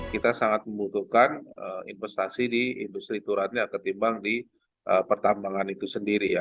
kita sangat membutuhkan investasi di industri turatnya ketimbang di pertambangan itu sendiri ya